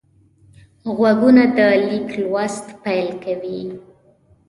غوږونه د لیک لوست پیل کوي